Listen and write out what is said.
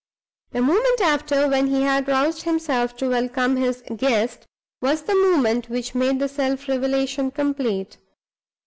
The moment after, when he had roused himself to welcome his guest, was the moment which made the self revelation complete.